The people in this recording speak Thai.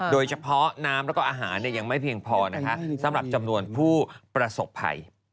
โดยเฉพาะน้ำแล้วก็อาหารยังไม่เพียงพอนะคะสำหรับจำนวนผู้ประสบภัย